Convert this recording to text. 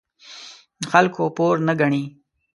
د خلکو پور نه ګڼي.